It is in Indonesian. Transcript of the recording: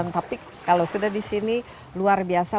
tapi kalau sudah di sini luar biasa